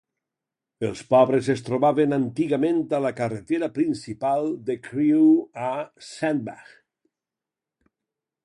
Els pobres es trobaven antigament a la carretera principal de Crewe a Sandbach.